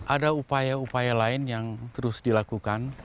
ada upaya upaya lain yang terus dilakukan